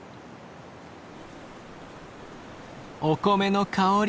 お米の香り。